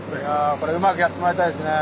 これうまくやってもらいたいですね。